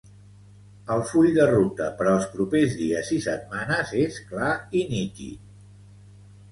El full de ruta per als propers dies i setmanes és clar i nítid.